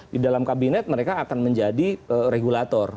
di dalam kabinet mereka akan menjadi regulator